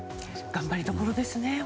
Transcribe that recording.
頑張りどころですね。